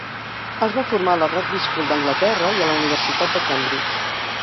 Es va formar a la Rugby School d'Anglaterra i a la Universitat de Cambridge.